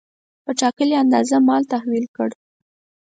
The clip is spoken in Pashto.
په ټاکلې اندازه مال تحویل کړ.